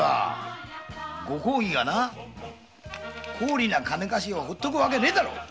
ご公儀が高利の金貸しをほっとくわけねえだろ！